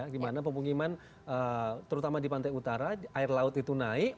di mana pemungkiman terutama di pantai utara air laut itu naik